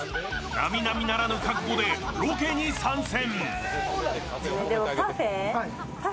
並々ならぬ覚悟でロケに参戦。